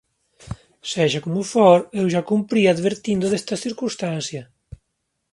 Sexa como for, eu xa cumprín advertindo desta circunstancia.